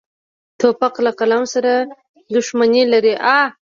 توپک له قلم سره دښمني لري.